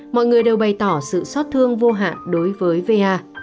mọi người đều bày tỏ sự xót thương vô hạn đối với va